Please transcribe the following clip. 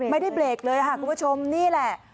ไม่ได้เบรกเลยค่ะคุณผู้ชมนี่แหละ